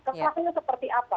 kekerasannya seperti apa